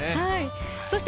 そして、